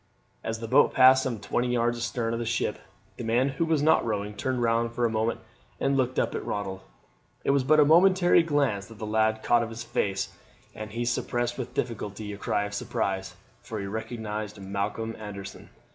As the boat passed some twenty yards astern of the ship the man who was not rowing turned round for a moment and looked up at Ronald. It was but a momentary glance that the lad caught of his face, and he suppressed with difficulty a cry of surprise, for he recognized Malcolm Anderson.